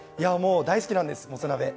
大好きなんです、もつ鍋。